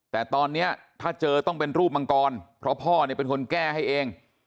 แต่ตอนนี้ถ้าเจอต้องเป็นรูปมังกรเพราะพ่อเนี่ยเป็นคนแก้ให้เอง